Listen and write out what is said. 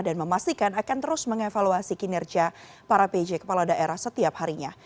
dan memastikan akan terus mengevaluasi kinerja para pj kepala daerah setiap harinya